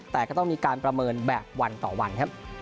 แต่ก็ต้องมีการประเมินแบบวันต่อวันครับ